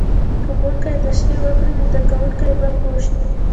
که ښوونکی تشریح وکړي، نو زده کوونکی به پوه شي.